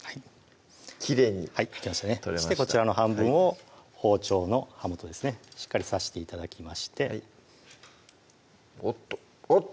きれいにはいいけましたねこちらの半分を包丁の刃元ですねしっかり刺して頂きましておっとおっ！